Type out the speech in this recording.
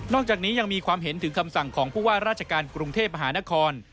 อกจากนี้ยังมีความเห็นถึงคำสั่งของผู้ว่าราชการกรุงเทพมหานคร